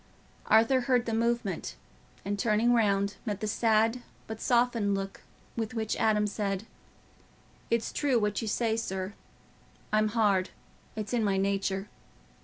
Arthur heard the movement, and turning round, met the sad but softened look with which Adam said, "It's true what you say, sir. I'm hard—it's in my nature.